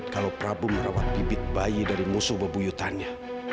sampai jumpa di video selanjutnya